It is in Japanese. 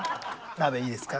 鍋いいですか？